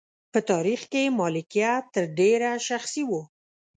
په تاریخ کې مالکیت تر ډېره شخصي و.